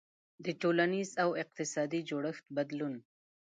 • د ټولنیز او اقتصادي جوړښت بدلون.